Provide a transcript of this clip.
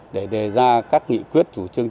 để đề ra các nghị quyết chủ trương